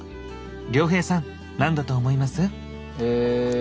亮平さん何だと思います？